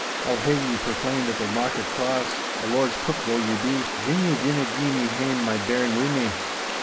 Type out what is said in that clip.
I'll hae ye proclaimed at the market cross, a lord's cook though ye be, gin ye dinna gie me hame my bairn wi' me!